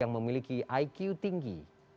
yang memiliki iq tinggi